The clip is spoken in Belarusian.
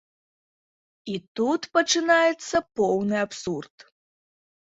І тут пачынаецца поўны абсурд.